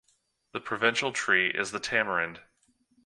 The provincial tree is the tamarind.